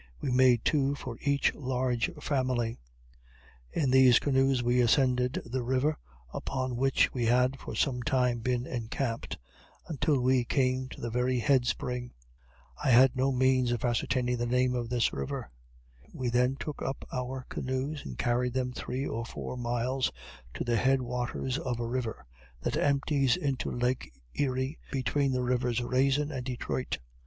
We made two for each large family. In these canoes we ascended the river upon which we had for some time been encamped, until we came to the very head spring I had no means of ascertaining the name of this river we then took up our canoes and carried them three or four miles, to the head waters of a river that empties into lake Erie between the rivers Raisin and Detroit.